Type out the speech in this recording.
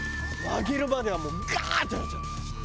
揚げるまではもうガーッ！ってなっちゃうの。